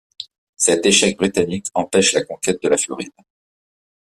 Cet échec britannique empêche la conquête de la Floride.